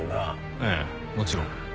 ええもちろん。